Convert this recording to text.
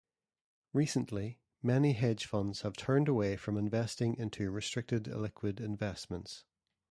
Recently, many hedge funds have turned away from investing into restricted illiquid investments.